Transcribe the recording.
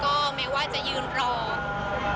ตอนนี้เป็นครั้งหนึ่งครั้งหนึ่ง